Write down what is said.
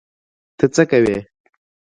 ته څه کوی؟